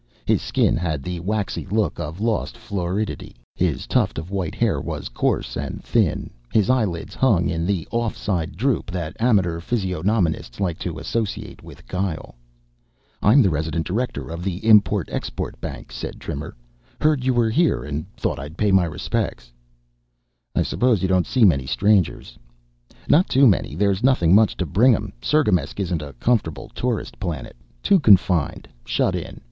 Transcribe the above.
His skin had the waxy look of lost floridity, his tuft of white hair was coarse and thin, his eyelids hung in the off side droop that amateur physiognomists like to associate with guile. "I'm Resident Director of the Import Export Bank," said Trimmer. "Heard you were here and thought I'd pay my respects." "I suppose you don't see many strangers." "Not too many there's nothing much to bring 'em. Cirgamesç isn't a comfortable tourist planet. Too confined, shut in.